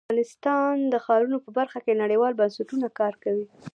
افغانستان د ښارونه په برخه کې نړیوالو بنسټونو سره کار کوي.